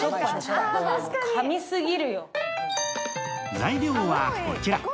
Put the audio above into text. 材料は、こちら。